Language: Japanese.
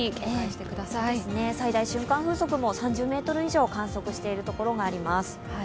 最大瞬間風速も３０メートル以上観測している所があります。